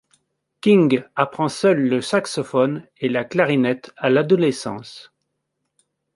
King apprend seul le saxophone et la clarinette à l'adolescence.